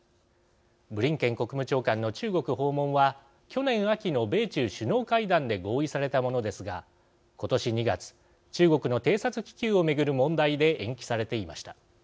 ブリンケン国務長官の中国訪問は去年秋の米中首脳会談で合意されたものですが今年２月中国の偵察気球を巡る問題で延期されていました。